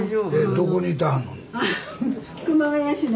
どこにいてはんの？